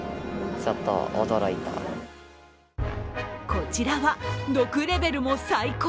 こちらは毒レベルも最高。